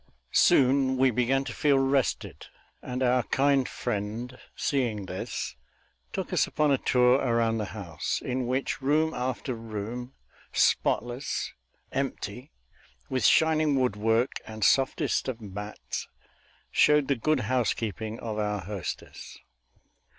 Soon we began to feel rested, and our kind friend, seeing this, took us upon a tour around the house, in which room after room, spotless, empty, with shining woodwork and softest of mats, showed the good housekeeping of our hostess.